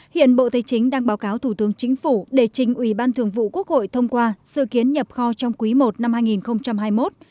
hiện bộ thế chính đang báo cáo thủ tướng chính phủ để trình ủy ban thường vụ quốc hội thông qua sự kiến nhập kho trong quý i năm hai nghìn hai mươi một